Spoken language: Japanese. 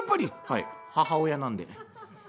「はい母親なんで」。